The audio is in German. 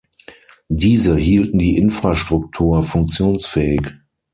Diese hielten die Infrastruktur funktionsfähig.